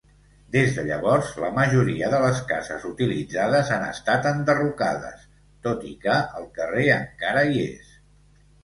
Des de llavors, la majoria de les cases utilitzades han estat enderrocades, tot i que el carrer encara hi és.